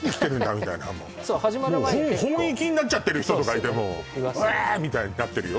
みたいなホンイキになっちゃってる人とかいてワみたいになってるよ